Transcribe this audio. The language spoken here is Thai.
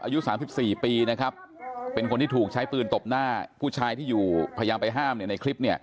อายุ๓๔ปีนะครับเป็นคนที่ถูกใช้ปืนตบหน้าผู้ชายที่อยู่พยายามไปห้ามในคลิป